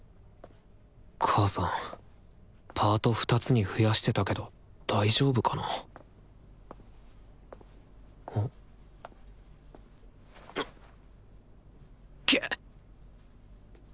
母さんパート２つに増やしてたけど大丈夫かなげっ！